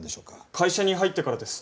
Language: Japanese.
会社に入ってからです。